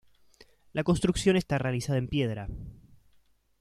La construcción está realizada en piedra.